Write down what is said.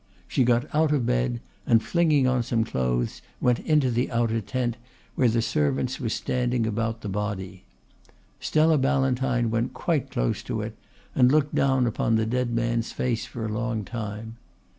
She got out of bed, and flinging on some clothes went into the outer tent, where the servants were standing about the body. Stella Ballantyne went quite close to it and looked down upon the dead man's face for a long time.